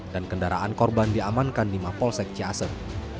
dan kendaraan korban diamankan di mapolsek ciasem